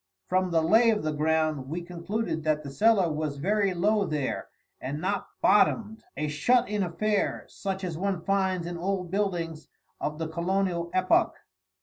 From the lay of the ground, we concluded that the cellar was very low there and not bottomed a shut in affair such as one finds in old buildings of the Colonial epoch.